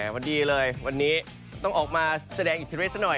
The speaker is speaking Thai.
วันนี้เลยต้องออกมาแสดงอินทีเรทซักหน่อย